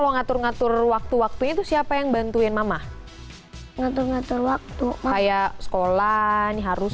mau ngatur ngatur waktu waktu itu siapa yang bantuin mama ngatur ngatur waktu kayak sekolah ini harus